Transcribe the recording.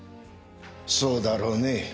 そうだろうねぇ。